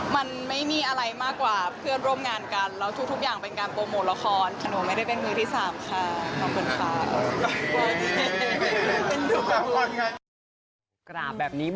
มันไม่มีอะไรมากกว่าเพื่อนร่วมงานกัน